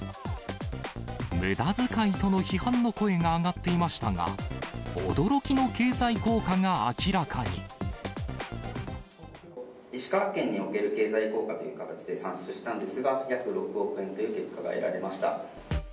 むだづかいとの批判の声が上がっていましたが、驚きの経済効果が石川県における経済効果という形で算出したんですが、約６億円という結果が得られました。